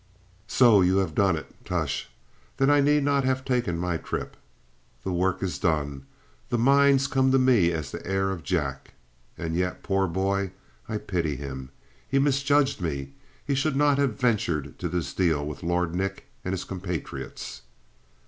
So you have done it? Tush, then I need not have taken my trip. The work is done; the mines come to me as the heir of Jack. And yet, poor boy, I pity him! He misjudged me; he should not have ventured to this deal with Lord Nick and his compatriots!"